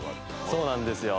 そうなんですよ。